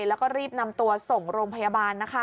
แล้วก็รีบนำตัวส่งโรงพยาบาล